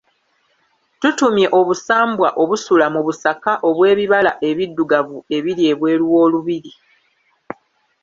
Tutumye obusambwa obusula mu busaka obw'ebibala ebiddugavu ebiri ebweru w'olubiri.